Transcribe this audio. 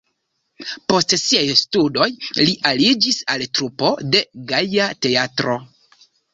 Post siaj studoj li aliĝis al trupo de Gaja Teatro.